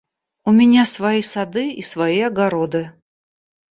У меня свои сады и свои огороды.